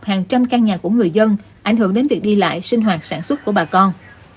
hàng trăm căn nhà của người dân ảnh hưởng đến việc đi lại sinh hoạt sản xuất của bà con